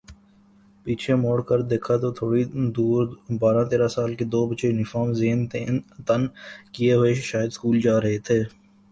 پیچھے مڑ کر دیکھا تو تھوڑی دوربارہ تیرہ سال کے دو بچے یونیفارم زیب تن کئے ہوئے شاید سکول جارہے تھے